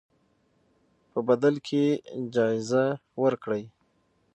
په بدل کې یې جایزه ورکړئ.